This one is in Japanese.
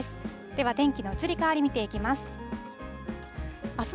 では、天気の移り変わり見ていきます。